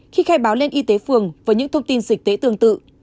khi khai báo lên y tế phường với những thông tin dịch tế tương tự